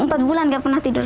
empat bulan gak pernah tidur